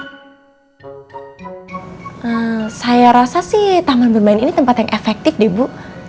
saya saya rasa sih taman b sitcom ini tempat la efektif deh bu